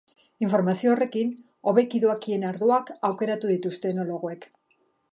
Informazio horrekin, hobeki doakien ardoak aukeratu dituzte enologoek.